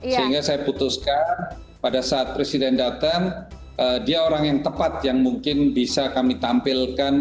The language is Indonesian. sehingga saya putuskan pada saat presiden datang dia orang yang tepat yang mungkin bisa kami tampilkan